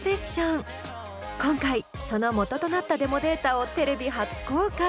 今回その元となったデモデータをテレビ初公開！